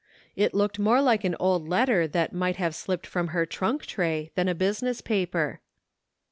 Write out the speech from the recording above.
It l<y>ked more like an old letter that might have slipped from her trunk tray than a business paper.